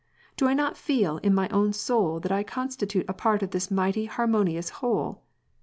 Do I not feel in my own soul that I constitute a part of this mighty harmonious whole